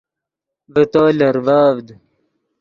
ڤے تو لرڤڤد